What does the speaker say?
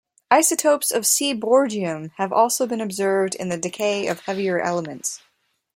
Isotopes of seaborgium have also been observed in the decay of heavier elements.